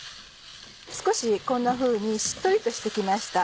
少しこんなふうにしっとりとして来ました。